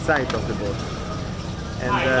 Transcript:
saya menang di perairan